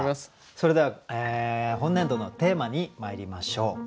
それでは本年度のテーマにまいりましょう。